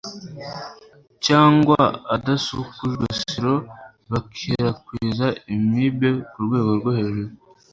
cyangwa adasukujwe siro bikwirakwiza Amibe ku rwego rwo hejuru.